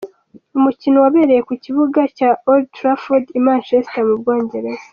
Umukino wabereye ku kibuga cya Old Trafford i Manchester, mu Bwongereza.